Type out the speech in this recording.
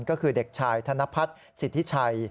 ก็คือเด็กชายธนพัฒน์สิทธิชัย